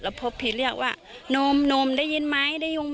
แล้วพอพี่เรียกว่านมนมได้ยินไหม